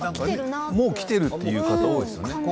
もうきてるという方いますよね。